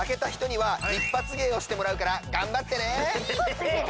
はい。